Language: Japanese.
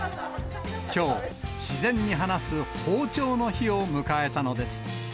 きょう、自然に放す放ちょうの日を迎えたのです。